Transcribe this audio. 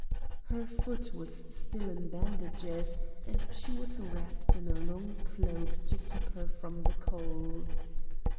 Her foot was still in bandages, and she was wrapped in a long cloak to keep her from the cold.